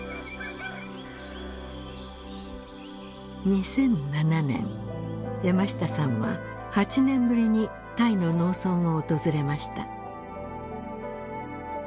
２００７年山下さんは８年ぶりにタイの農村を訪れました。